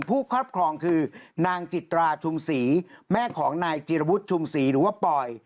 ครอบครองคือนางจิตราชุมศรีแม่ของนายจีรวุฒิชุมศรีหรือว่าปอย